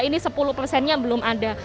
ini sepuluh persennya belum ada